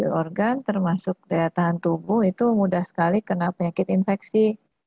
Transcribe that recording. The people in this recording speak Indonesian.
organ termasuk daya tahan tubuh itu mudah sekali kena penyakit infeksi